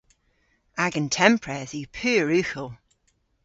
Agan tempredh yw pur ughel.